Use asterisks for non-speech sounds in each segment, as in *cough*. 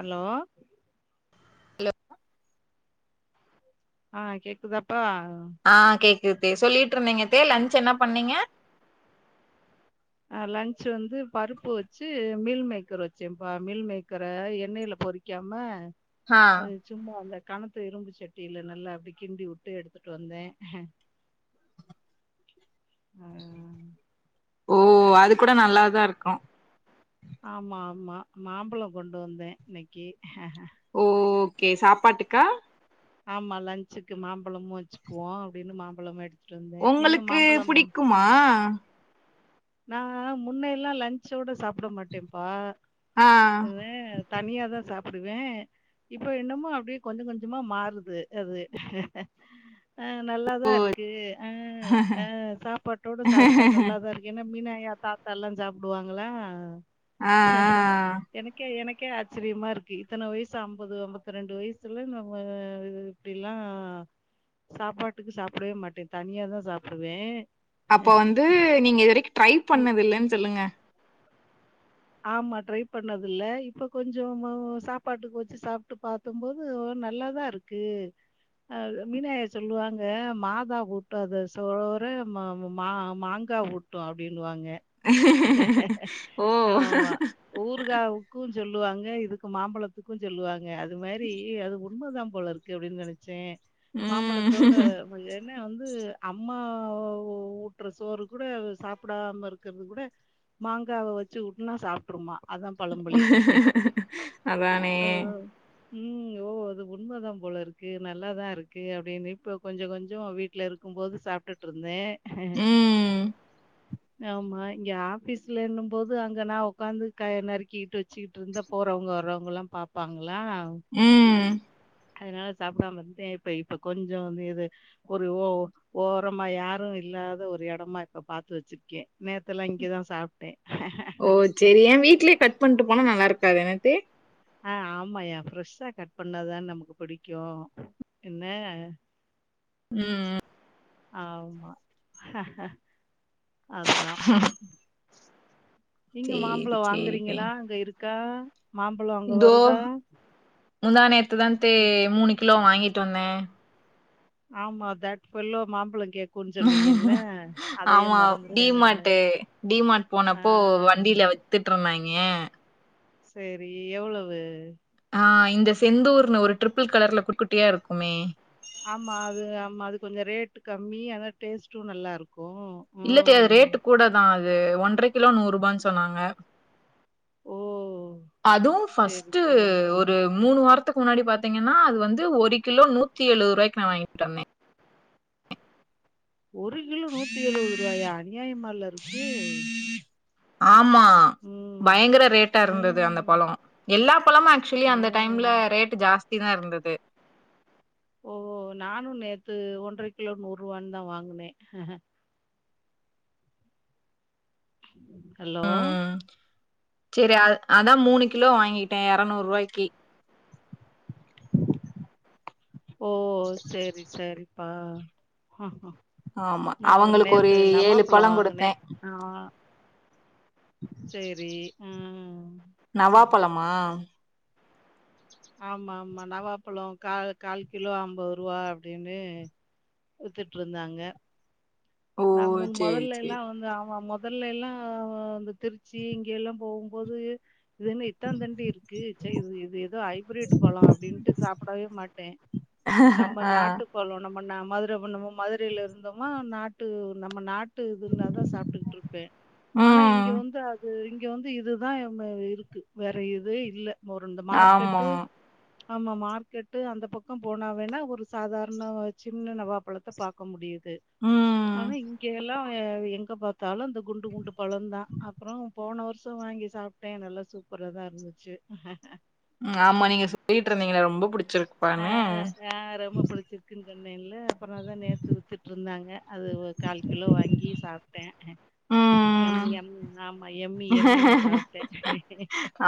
Allow hello ஆ கேக்குதாப்பா ஆ கேக்குது தே சொல்லிட்ருந்தீங்க தே லன்ச் என்னா பண்ணீங்க அ லன்ச் வந்து பருப்பு வச்சு மில் மேக்கர் வச்சேம்பா மில் மேக்கர எண்ணெய்ல பொறிக் கெம ஆ அது சும்மா அந்த கனத்து இரும்பு சட்டில நல்லா அப்டி கிண்டி உட்டு எடுத்துட்டு வந்தே *inaudible* அ ஓ அது கூட நல்லாதா இருக்கு ஆமா ஆமா மாம்பழ கொண்டு வந்தே இன்னக்கி ஓகே சாப்பாட்டுக்கா ஆமா லன்ச்சுக்கு மாம்பழமு வச்சுக்குவோ அப்டின்னு மாம்பழமே எடுத்துட் வந்தே நீங்க மாம்பழம்மா மா நா முன்ன எல்லா லன்ச்சோட சாப்புட மாட்டேம்ப்பா அ அ தனியாதான் சாப்பிடுவேன் இப்ப என்னமோ அப்டியே கொஞ்சம் கொஞ்சமா மாறுது அது ஆ நல்லாதான் இருக்கு ஆ ஆ சாப்பாட்டோடு சாப்பிட்டா நல்லாதான் இரு என்ன மீனாயா தாத்தால்லாம் சாப்பிடுவாங்களா ஆ ஆ எனக்கே எனக்கே ஆச்சரியமா இருக்கு இத்தனை வயசு ஐம்பது ஐம்பத்தி ரெண்டு வயசுல நம்ம அப்டிலாம் சாப்பாட்டுக்கு சாப்பிடவே மாட்டேன் தனியாதான் சாப்பிடுவேன் அப்ப வந்து நீங்க இது வரைக்கும் ட்ரை இவ் பண்ணது இல்லன்னு சொல்லுங்க ஆமா ட்ரை பண்ணது இல்ல இப்ப கொஞ்சமா சாப்பாட்டுக்கு வச்சு சாப்பிட்டு பா க்கும்போது நல்லாதான் இருக்கு அ மீனாயா சொல்லுவாங்க மாதா ஊட்டாத சோற மா மாங்காய் ஊட் ட்டும் அப்டின்னுவாங்க ஓ ஊர்காவுக்கும் சொல்லுவாங்க இதுக்கு மாம்பழத்துக்கும் சொல்லுவாங்க அது மாரி அது உண்மை தான் போல இருக்கு அப்டின்னு நினைச்சேன் ம் மாம்பழத்தோட நம்மலேனு வந்து அம்மா ஊட்டுற சோறு கூட சாப்பிடாம இருக்கிறது கூட மாங்காவ வச்சு ஊட்டுனா சாப் ற்றுமா அதான் பழம்மொழி அதானே ஆ ம் ஓ அது உண்மை தான் போல இருக்கு நல்லாதான் இருக்கு இப்ப கொஞ்சம் கொஞ்சம் வீட் வீட்ல இருக்கும் போது சாப்ட்டுட்டு இருந்தேன் ஆ ஹ ம் ஆமா இங்க ஆபீஸ்ல இன்னும் போது அங்க நா உக்காந்து க நறுக்கிட்டு வச்சிட்டு இருந்தா போறவங்க வர்றவங்கல்லாம் பாப்பாங்களா ம் அதனால சாப்பிடாமா இருந்தேன் இப்ப இப்ப கொஞ்சம் வந்து இது ஒரு ஓ ஓரமா யாரும் இல்லாத ஒரு இடமா இப்ப பாரத்து வச்சிருக்கேன் நேத்துலா இங்கதான் சாப்பிட்டேன் ஓ சரி ஏன் வீட்லேயே கட் பண்ட்டு போனால் நல்லாருக்காது எனட்டு ஆ ஆமாயா ஃப்ரெஷ்ஷா கட் பண்ணாதான நமக்கு புடிக்கும் என்ன ம் ஆமா ஆஹா அதான் ஹ நீங்க மாம்பழம் சேரி தே வாங்குறீங்களா அங்க இருக்கா மாம்பழம் அங்க இதோ வருதா? முந்தா நேத்துதா தே மூணு கிலோ வாங்கிட்டு வந்தே ஆமா தட் பெல்லோ மாம்பழம் கேக் ஆமா மறந்துட்டேன் நானு. டிமார்ட் டிமாட் ஆ போனப்போ வண்டியில வச் வித்துட்டு இருந்தாங்க சேரி எவ்வளவு ஆ இந்த செந்தூர்னு ஒரு ட்ரிபிள் கலர்ல குட்டுகுட்டியா இருக்குமே ஆமா அது ஆமா அது கொஞ்ச ரேட் கம்மி ஆனா டேஸ்ட்டும் நல்லா இருக்கு இல்லத்த அது ரேட்டு கூட தா அது ஒன்றர கிலோ நூறு ரூபானு சொன்னாங்க ஓ! அதுவு சரி, ஃபஸ்டு சரி. ஒரு ஒரு மூணு வாரத்துக்கு முன்னாடி பாத்தீங்கன்னா அது வந்து ஒரு கிலோ நூத்தி எழுபது ரூபாய்க்கு நா வாங்கிட்டு வந்தே ஒரு கிலோ நூத்தி எழுவோ ரூபாயா அநியாயமல்லா இருக்கு ஆமா ம். பயங்கர ரேட்டா இருந்தது அந்த ம். பழோ எல்லா பழமும் ஆக்சுஅலி ஆ. அந்த டைம்ல ரேட்டு ஜாஸ்தி தா இருந்தது ஓ நானு நேத்து ஒன்றர கிலோ நூறு ரூவான்னு தா வாங்கினே ஹலோ ம் சேரி அ அதா மூணு கிலோ வாங்கிட்டே இரநூறு ரூபாய்க்கு ஓ சேரி சேரிப்பா ஆ ஆமா நா அப்புறோ அவங்களுக்கு ஒரு நேத்து ஏழு நவாப்பழோ பழம் வாங்கினே குடுத்தே ஆ சேரி ம் ஆமா ஆமா ஆமா நவாப்பழ கா கால் கிலோ ஐம்பது ரூபா அப்டின்னு வித்துட்டு இருந்தாங்க ஓ நா மூணு சேரி முதல்ல சேரி எல்லா வந்து அவமா மோத் முதல்லா இந்த திருச்சி இங்க எல்லா போகுபோது இதுன்னு இத்தான்தண்டி சே இது இது ஏதோ ஐபிரேட்டு பழோ அப்பிடினு சாப்பிடவே மாட்டே ஆ போலு நம்ம ந மதுரை மதுரையில இருந்தோமா நாட்டு நம்ம நாட்டு *unintelligible* இதுனாதா சாப்பிட்டுக்கிட்டு இருப்பே ஆனா ம் இங்க வந்து அது இங்க வந்து இதுதா இருக்கு வேற இது இல்ல ஒரு ரெண்டு ஆமா மார்க்கெட்டு ஆமா மார்க்கெட்டு அந்த பக்கோ போனாவேனா ஒரு சாதாரண சின்ன நவாப்பழத்த பாக்க முடியுது ம் ஆனா இங்க எல்லா எங்க பாத் தளம் இந்த குண்டு குண்டு பழோ தா அப்புறோ போன வருஷம் வாங்கி சாப்பிட்டே நல்லா சூப்பராக தானே இருந்துச்சு *inaudible* ம் ஆமா நீங்க சொல்லிட்டு இருந்திங்கள ரொம்ப புடிச்சிருக்கு ஆ அ ரொம்ப பிடிச்சிரு க்கு சொன்னேல்ல அப்புறோ தா நேத்து வித்துட்டு இருந்தாங்க அது ஒரு கால் கிலோ வாங்கி சாப்பிட்டே எம் ம் எம் ஆமா எம்மி எம்மினு சாப்பட்டே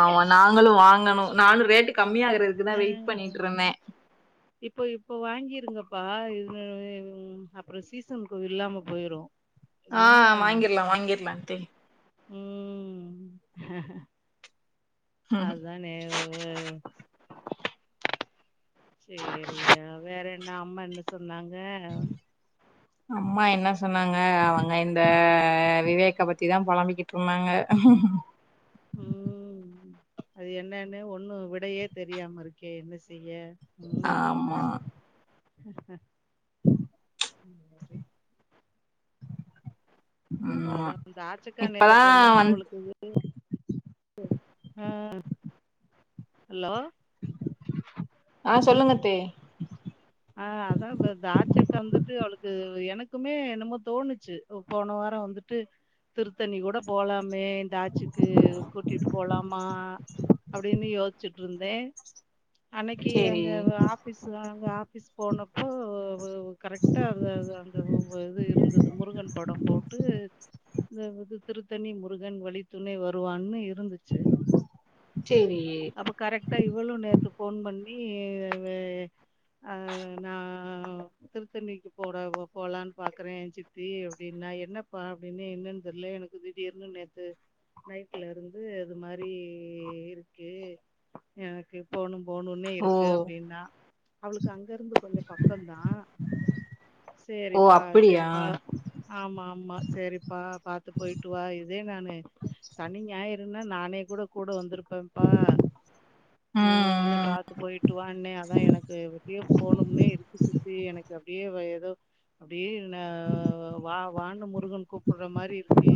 ஆமா நாங்களு வாங்கணு நானு ரேட்டு கம்மியாகறது ம் இப்போ இப்போ வாங்கிருங்கப்பா இது அப்புறோ சீசனுக்கு இல்லாம போயிரு ஆ வாங்கிரலா வாங்கிடலான்டு ம் அதானே *unintelligible* சேரி யா வேற என்ன அம்மா என்ன சொன்னாங்க அம்மா என்ன சொன்னாங்க அவங்க இந்த விவேக்க பத்திதா புழம்பிக்கிட்டு இருந்தாங்க ம் அது என்னன்னு ஒண்ணு விடையே தெரியாம இருக்கே என்ன செய்ய ம் ஆமா *inaudible* அத ஆமா அந்த றாட்சக்க நேத்த இப்பதான் என்னமோ வந் அவளுக்கு ம் ஹலோ ஆ சொல்லுங்கத்தே ஆ அதா *unintelligible* வந்துட்டு அவளுக்கு எனக்குமே என்னமோ தோணுச்சு போன வாரோ வந்துட்டு *inaudible* *unintelligible* அத்த நீ கூட போலாமே இந்த ஆச்சுக்கு கூட்டிட்டு போலாமா அப்டின்னு யோசிச்ச ருந்தே அன்னைக்கு சேரி எங்க ஆபிஸ்லா ஸ் போனப்போ கரெக்டாக அது அது அந்த இது இருந்தது முருங்கன் படம் போட்டு திருத்தணி முருகன் வழித்துணை வருவான்னு இருந்துச்சு சேரி அப்போ கரெக்டா இவ்ளோ நேரத்துக் ஃபோன் பண்ணி அ நா சென்னைக்கு போற போலானு பாக்குறே சித்தி அப்டின்னா என்னப்பா அப்டின்னு என்னன்னு தெரில எனக் திடீர்னு நேத்து நைட்ல இருந்து அது மாரி இருக்கு எனக்கு போணு போணுன்னே ஓ இருக்கு அப்டின்னா அவளுக்கு அங்க இருந்து கொஞ்சோ பக்கம்தா ஓ சேரிப்பா அப்படியா சேரிப்பா ஆம்மா ஆம்மா சேரிப்பா பாத்து போயிட்டு வா இதே நானு சனி நாயிருன்னா நானே கூட கூட வந்திருப்பே பேப்பா ஆ ம் உன்னே ம் பாத்து போயிட்டுவாண்ணே அதா எனக்கு கு எப்புடியோ போனும்னே இருக்கு சித்தி எனக் அப்டியே ஏதோ அப்டி ந வா வாண்டு முருக கூப்புடுற மாரி இருக்கு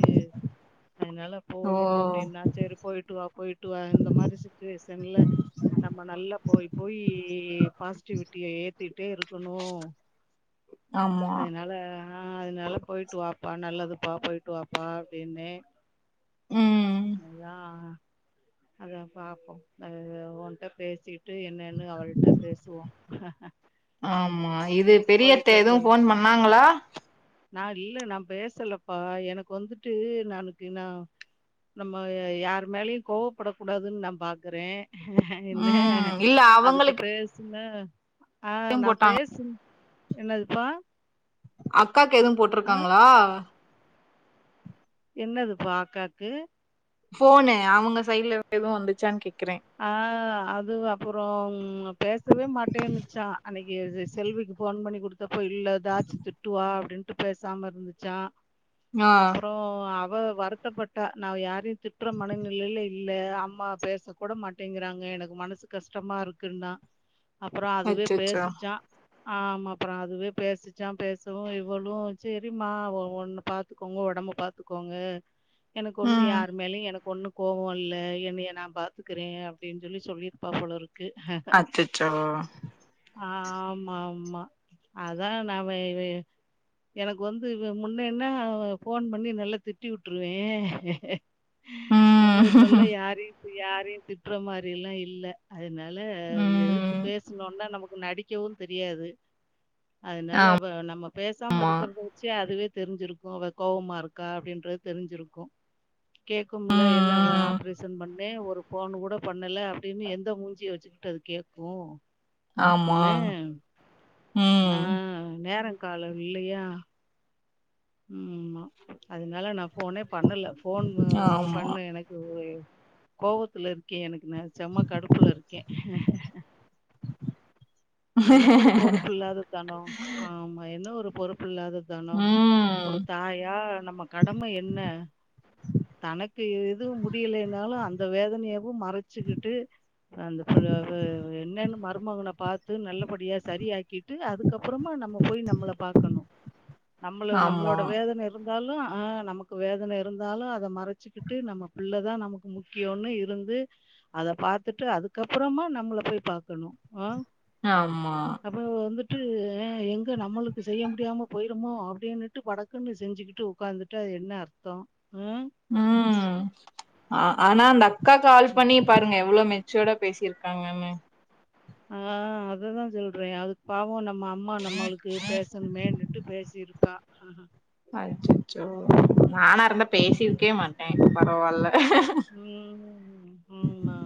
அதனால ஓ போணு அப்டின்னா சரி போயிட்டு வா போயிட்டு வா இந்த மாரி சிச்சுவேஷன்ல நம்ம நல்லா போயி போயி பாசிட்டிவிட்டிய ஏத்திட்டே இருக்கணு ஆமா அதனால ஆ அதனால போயிட்டு வாப்பா நல்லதுப்பா போயிட்டு வாப்பா அப்டினு ம் அதா அதா பாப்போ அது ஒன்ட்ட பேசிட்டு என்னன்னு அவள்ட்ட பேசுவோ ஆம்மா இது பெரியத்த போயிட்டு எதுவு ஃபோன் வருவாங்கட்டு பண்ணாங்களா நா இல்ல நா பேசலப்பா எனக்கு வந்துட்டு நனக்கு நா நம்ம யார் மேலியு கோவப்பட கூடாதுன்னு நா பாக்குறே என்ன ம் இல்ல அதுட்ட அவங்களுக்கு பே ஆ எதுவும் நா போட்டா பேச என்னதுப்பா அக்காக்கு எதுவு ஆ போட்ருக்காங்ளா என்னது பா அக்காக்கு ஃபோனு அவுங்க சைடல இருந் எதுவு வந்துச்சானு கேக்றே ஆ அது அப்றோ பேசவே மாட்டேன்னுச்சா அன்னைக்கு செல்விக்கு ஃபோன் பண்ணி கொடுத்து ப்பய இல்ல தாச்சு திட்டுவா அப்டின்ட்டு பேசாம இருந்துச்சா ஆ அப்றோ அவ வர் த்தப்பட்டா நா யாரையு திட்ற மனநிலைல இல்ல அம்மா பேச கூட மாட்டேங்கிறாங்க எனக் மனசு கஷ்டமா இருக்குன்னா அப்றோ அதுவே அச்சச்சோ பேசுச்சா ஆமாபா அதுவே பேசிச்சா பேசவு இவ்வளு சரிம்மா ஒன்னு பாத் துக்கோங்க ஓடம்ப பாத்துக்கோங்க எனக் ஒன்னு ம் யார் மேலயு எனக்கு ஒன்னு கோபோ இல்லை என்னிய நா பா த்க்கிறே அப்டின்னு சொல்லி சொல்லிருப்பா போலருக்கு அச்சச்சோ ஆம்மாம்மா அதா நாம இது எனக் வந்து முன்னன்னா ஃபோன் பண்ணி நல்லா திட்டி வுட்டுருவே நம்ம இப்ப எல்லா ம் யாரையு யாரையு திட்ர மாரில்லா இல்ல அதனால இ எதுக்கு ம் பேசணோனா நமக்கு நடிக்கவு தெரியாது அதனால நம்ம பேசாம ஆமா இருக்கிறத வெச்சி அதுவே தெரிஞ்சிருக்கு அவ கோவமாருக்கா அப்டின்றது தெரிஞ்சிருக்கு கேக்கும்ல ம் என்ன ம் ஆப்ரேஷன் பண் ணே ஒரு ஃபோன் கூட பண்ணல அப்டின்னு எந்த மூஞ்சிய வெச்சுக்கிட்டு அது கேக்கு ஆமா என்ன ஆ ம் நேர காலோ இல்லயா ம்மா அதனால நா போனே பண்ணல ஃபோன் ஆமா பண்ணு எனக் யோ ஏ கோவத்துல இருக்கே எனக்கு நஸ் செம்ம கடுப்புல இருக்கே என்ன ஒரு பொறுப்புல்லாத தனோ ஆமா என்ன ஒரு பொறுப்புல்லாத தனோ ம் ஒரு தாயா நம்ம கடம என்ன தனக்கு எதுவு முடியலேனாலு அந்த வேதனயவு மறச்சுகுட்டு அந்த புள் ய வு என்னன்னு மருமொகன பாத் து நல்லபடியா சரியாக்கிட்டு அதுக்கப்றமா நம்ம போய் நம்மள பாக்கணு நம்முளு நம் ஆமா வேதன இருந்தாலு ஆ நமுக்கு வேதன இருந்தாலு அத மறச்சுக்கிட்டு நம்ம பிள்ளதா நமக் முக்கியேன்னு இருந்து அத பாத்துட்டு அதுக்கப்புறமா நம்மள போய் பாக்கணும் அ ஆமா சமேவோ வந்துட்டு எ எங்க நம்மளுக்கு செய்ய முடியாம போயிருமோ அப்டின்னுட் ட்டு படக்குன்னு செஞ்சிக்குட்டு உக்காந்துட்டு அது என்ன அர்த்தோ அ ம் அ ஆனா அந்த அக்கா கால் பண்ணி பாருங்க எவ்ளேவு மெச்சோடா பேசிருக்காங்கன்னு ஆ அததா சொல்றே அதுக் பாவோன ம் அம்மா நம்மளுக்கு பேசணுமேண்டுட்டு பேசிருக்கா அச்சச்சோ நானா இருந்தா பேசிருக்வே மாட்டே பரவால்ல ம் ம் மா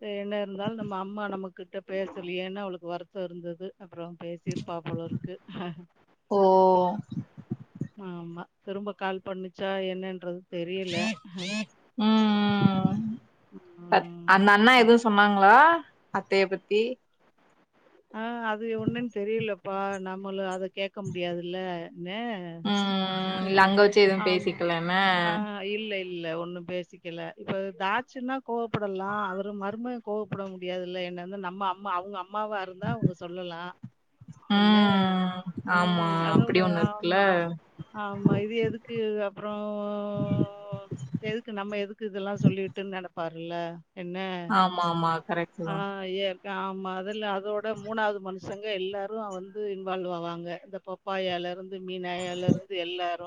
சே என்ன இருந்தாலு நம்ம அம்மா நம்மகுட்ட பேசலுயேனு அவளுக்கு வருத்த இருந்துது அப்புற பேசிருப்பா போலருக்கு ஓ ஆமா திரும்ப கால் பண்ணுச்சா என்னன்றது தெரியல ம் ம் ம் பத் உம் அந் அண்ணா எதுவு சொன்னாங்ளா அத்தய பத்தி ஆ அது ஒன்னுன் தெரியிலப்பா நம்மளு அத கேக்க முடியாதுல நே ம் இல்ல அங்க வச்சு எதுவு ஆமா பேசிக்கலன்னு அ ஹ இல்ல இல்ல ஒன்னு பேசிக்கல இப்ப தாச்சுன்னா கோவப்படலா அவரு மருமகெ கோவப்பட முடியாதுல்ல என்ன இந்து நம்ம அம்மா அவுங்க அம்மாவா இரு ந்தா அவுங்க சொல்லலா என்ன ம் ஆமா ம் அதோட அப்டி ஒண்ணு இருக்குல்ல ஆமா ஆமா இது எதுக்கு அப்போற இத் எதுக்கு நம்ம எதுக்கு இதுல்லா சொல்லிட்டுன் நெனப்பாருல்ல என்ன ஆமா ஆமா கரெக்ட் ஆ தா ஏற்க்க ஆமா அதுல்ல அதோட் மூணாவ்து மனுஷங்க எல்லாரு அ வந்து இன்வால் ஆவாங்க இந்த பப்பாயாலெருந் து மீனாயாலெருந்து எல்லாரு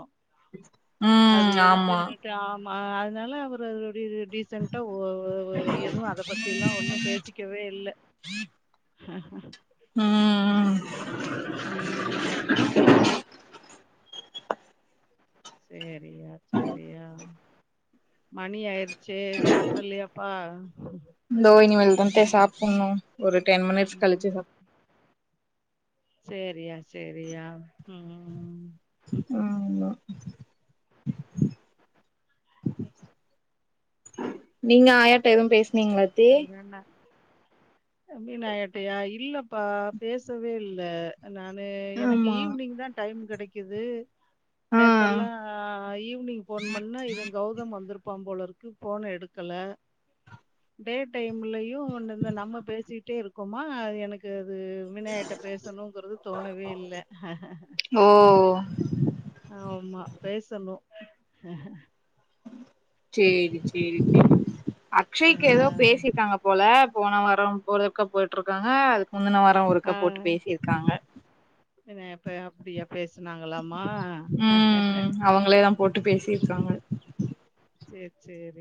அது ம் ஆமா எக்குன்னட்டு ஆமா அதுனால அவுர் அதுலுடைய டிஸ் சென்ட்டா ஒ எதுவு அத பத்தி எல்லா ஒன்னு பேசிக் கெவே இல்ல ம் ம் ம் சேரியா சேரியா மணி ஆய்ரு சேர் சாப்டலியாப்பா தோ இனிமேல்த்தே சாப்புட்ணு ஒரு டென் மினிட்ஸ் ம் கழிச்சு ச சேரியா சேரியா ம் ம் இமா நீங்க ஆயாட்ட எதுவு பேசினீங்களா *unintelligible* *unintelligible* இல்லப்பா பேசவே இல்ல நான்னு எனக்கு ஆமா ஈவினிங் தா டைம் கெடைக்குது ஆ நேத்தெல்லா ஈவினிங் ஃபோன் பண்ணே இவன் கௌதம் வந்துருப்பான் போலருக்கு ஃபோன் எடுக்கல டே டைம்லயு ஒன்ன நம்ம பேசிட்டே இருக்கோமா அது எனக்கு க்கு அது வினாய்ட்ட பேசணுங்கறது தோணவே இல்ல ஓ ஆமா பேசணு சேரி சேரி சேரி ஆ, அக்ஷய்க்கு ஏதோ பேசிர்க்காங்க போல போன வாரோ ஒருக்கா போட்டுருக்காங்க அதுக்கு முந்தின வாரோ ஒருக்கா போட்டு பேசிருக்காங்க என்ன இப்ப அப்டியா பேஸ்னாங்களாம ம் அவங்களே தா போட்டு பேசிருக்காங்க சேர் சேரி